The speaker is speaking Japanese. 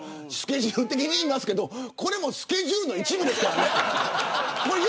スケジュール的に言いますけどこれもスケジュールの一部ですからね。